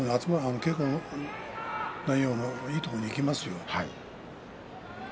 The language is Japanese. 稽古内容のいいところに行きますよ。